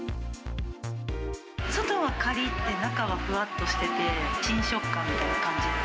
外はかりっ、中はふわっとしてて、新食感って感じです。